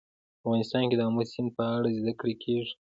افغانستان کې د آمو سیند په اړه زده کړه کېږي.